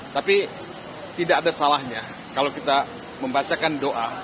tapi tidak ada salahnya kalau kita membacakan doa